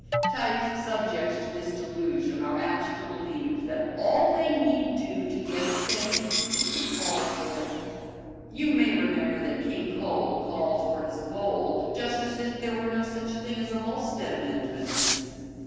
Types subject to this delusion are apt to believe that all they need do to get a thing is to call for it. You may remember that King Cole called for his bowl just as if there were no such thing as a Volstead amendment.